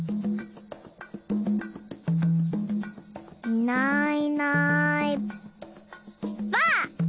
いないいないばあっ！